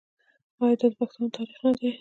آیا دا د پښتنو تاریخ نه دی؟